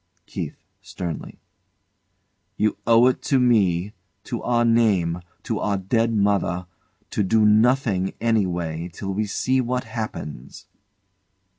KEITH. [sternly] You owe it to me to our name to our dead mother to do nothing anyway till we see what happens.